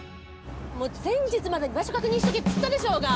もう前日までに場所確認しとけっつったでしょうが！